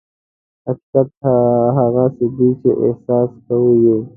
حقیقت هغه څه دي چې احساس کوو یې.